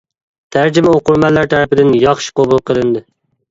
تەرجىمە ئوقۇرمەنلەر تەرىپىدىن ياخشى قوبۇل قىلىندى.